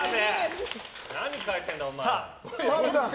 何書いてんだ、お前。